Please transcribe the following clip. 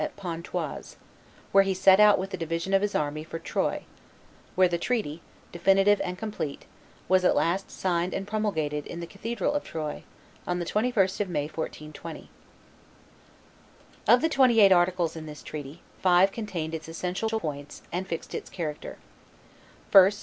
at Pontoise, where he set out with a division of his army for Troyes, where the treaty, definitive and complete, was at last signed and promulgated in the cathedral of Troyes, on the 21st of May, 1420. Of the twenty eight articles in this treaty, five contained its essential points and fixed its character: 1st.